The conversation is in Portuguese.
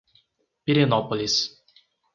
Pirenópolis